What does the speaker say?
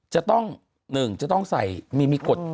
จะต้อง๑จะต้องใส่มีกฎ